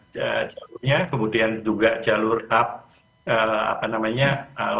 jalurnya kemudian juga jalur tap lalu lintas udara di beberapa negara di sekitar teluk itu juga akan